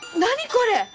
これ！